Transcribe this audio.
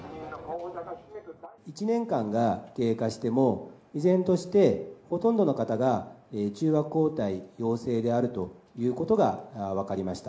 １年間が経過しても依然としてほとんどの方が中和抗体陽性であるということが分かりました。